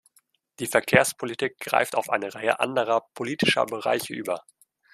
Die Verkehrspolitik greift auf eine Reihe anderer politischer Bereiche über.